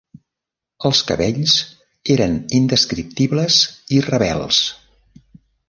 Els cabells eren indescriptibles i rebels.